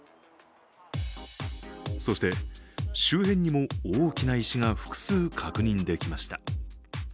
そして、周辺にも大きな石が複数確認できました。